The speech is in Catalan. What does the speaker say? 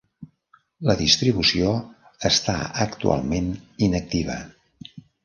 La distribució està actualment inactiva.